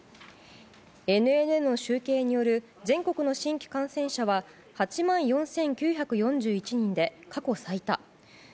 ＮＮＮの集計による全国の新規感染者は８万４９４１人で過去最多。